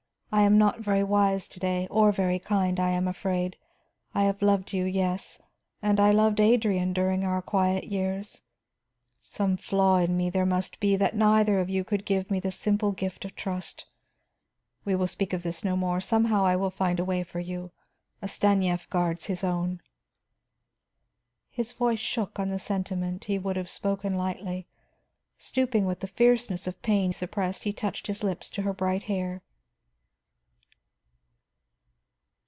"I am not very wise to day, or very kind, I am afraid. I have loved you; yes, and I loved Adrian during our quiet years. Some flaw in me there must be, that neither of you could give me the simple gift of trust. We will speak of this no more; somehow I will find a way for you. 'A Stanief guards his own.'" His voice shook on the sentiment he would have spoken lightly; stooping with the fierceness of pain suppressed, he touched his lips to her bright hair.